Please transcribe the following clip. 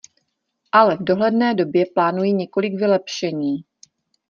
Ale v dohledné době plánuji několik vylepšení.